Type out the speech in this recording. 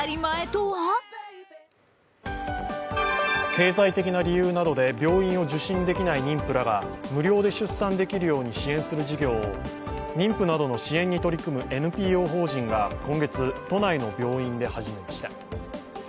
経済的な理由などで、病院を受診できない妊婦らが無料で出産できるように支援する事業を妊婦などの支援に取り組むＮＰＯ法人が今月、都内の病院で始めました。